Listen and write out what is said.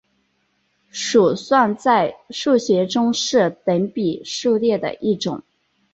鼠算在数学中是等比数列的一种。